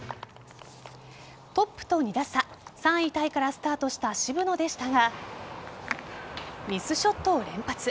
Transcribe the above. トップと２打差３位タイからスタートした渋野でしたがミスショットを連発。